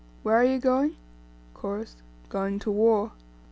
Where are ye going? Chorus. Going to war.